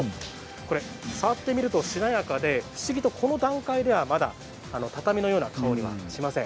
触ってみると、しなやかで不思議とこの段階ではまだ畳のような香りがしません。